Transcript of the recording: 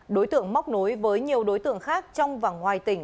đối tượng móc nối với nhiều đối tượng khác trong và ngoài tỉnh